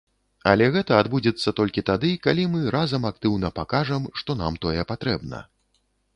Але гэта адбудзецца толькі тады, калі мы разам актыўна пакажам, што нам тое патрэбна.